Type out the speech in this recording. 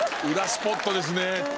ウラスポットですね。